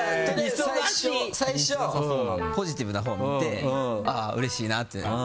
最初、ポジティブなほう見てああ、うれしいなってなって。